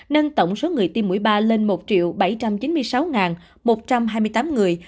nâng tổng số người tiêm mũi ba lên một bảy trăm chín mươi sáu một trăm hai mươi tám người